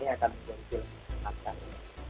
ini akan menjadi film yang menarik